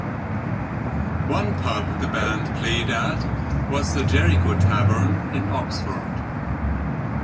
One pub the band played at was the Jericho Tavern in Oxford.